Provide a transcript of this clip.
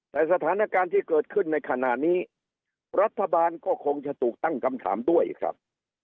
แต่สถานการณ์ที่เกิดขึ้นในขณะนี้รัฐบาลก็คงจะถูกตั้งคำถามด้วยครับ